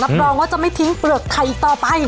รองว่าจะไม่ทิ้งเปลือกไข่อีกต่อไป